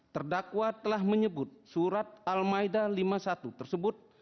terdakwa telah menyebut surat al ma'idah lima puluh satu tersebut